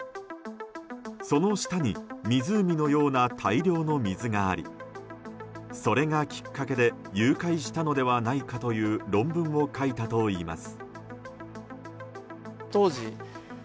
その下に湖のような大量の水がありそれがきっかけで融解したのではないかという論文を書いたといいます。